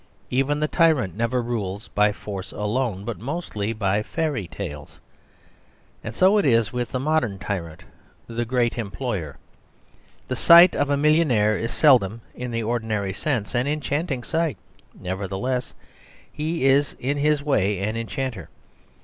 Even the tyrant never rules by force alone; but mostly by fairy tales. And so it is with the modern tyrant, the great employer. The sight of a millionaire is seldom, in the ordinary sense, an enchanting sight: nevertheless, he is in his way an enchanter.